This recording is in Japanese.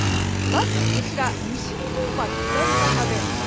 まず西日本は下り坂で雨。